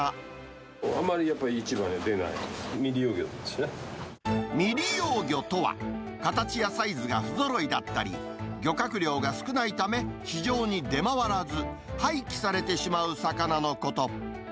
あんまりやっぱ市場に出ない、未利用魚とは、形やサイズが不ぞろいだったり、漁獲量が少ないため、市場に出回らず、廃棄されてしまう魚のこと。